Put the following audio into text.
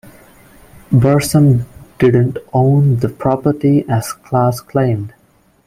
Bursum didn't own the property as Klass claimed.